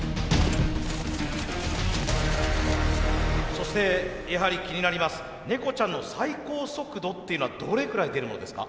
そしてやはり気になりますネコちゃんの最高速度っていうのはどれくらい出るものですか？